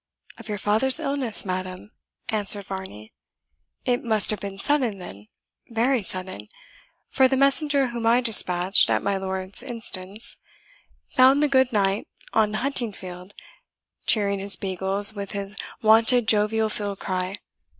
"Of your father's illness, madam!" answered Varney. "It must have been sudden then very sudden; for the messenger whom I dispatched, at my lord's instance, found the good knight on the hunting field, cheering his beagles with his wonted jovial field cry.